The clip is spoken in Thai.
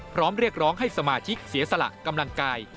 เรียกร้องให้สมาชิกเสียสละกำลังกาย